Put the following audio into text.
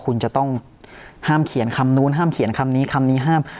คุณจะต้องห้ามเขียนคำนู้นห้ามเขียนคำนี้คำนี้ห้าม